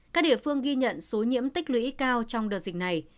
các địa phương ghi nhận số nhiễm tích lũy cao trong đợt dịch này